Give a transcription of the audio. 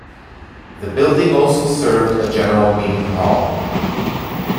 The building also served a general meeting hall.